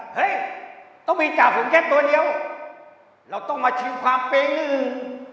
เฮ้ยต้องมีจ่าผมแค่ตัวเดียวเราต้องมาชิงความเป๊งอื่น